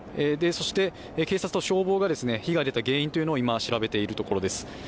そして、警察と消防が火が出た原因を今調べているところです。